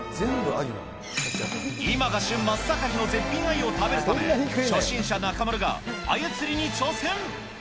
今が旬真っ盛りの、絶品あゆを食べるため、初心者中丸が、あゆ釣りに挑戦。